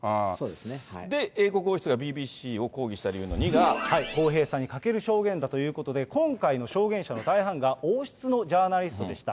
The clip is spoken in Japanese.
で、英国王室がＢＢＣを抗議公平さに欠ける証言だということで、今回の証言者の大半が、王室のジャーナリストでした。